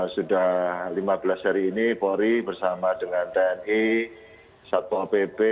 sudah lima belas hari ini polri bersama dengan tni satpol pp